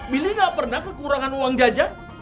billy gak pernah kekurangan uangnya sama bu